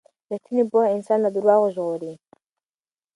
ریښتینې پوهه انسان له درواغو ژغوري.